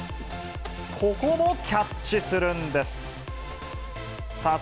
ここもキャッチするんです。